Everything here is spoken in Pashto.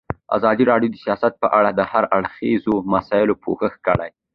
ازادي راډیو د سیاست په اړه د هر اړخیزو مسایلو پوښښ کړی.